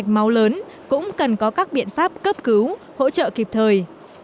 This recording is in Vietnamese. mạch máu lớn cũng cần có các biện pháp cấp cứu hỗ trợ kịp thời